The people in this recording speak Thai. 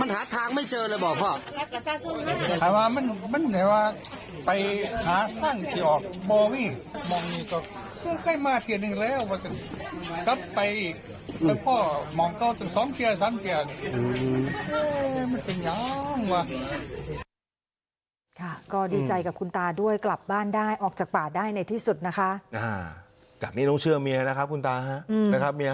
ก็ใกล้มาเทียนหนึ่งแล้วว่าจะกลับไปอีกแล้วพอมองก็จะสองเทียนสามเทียน